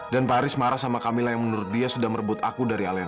dan pak haris marah sama camilla yang menurut dia sudah merebut aku dari alena